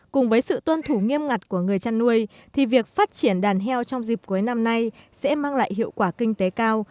cùng với sự tuân thủ nghiêm ngặt của người chăn nuôi thì việc phát triển đàn heo trong dịp cuối năm nay sẽ mang lại hiệu quả kinh tế cao